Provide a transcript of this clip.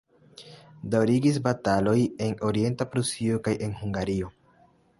Daŭrigis bataloj en Orienta Prusio kaj en Hungario.